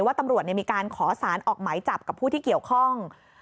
ว่าตำรวจมีการขอสารออกหมายจับกับผู้ที่เกี่ยวข้อง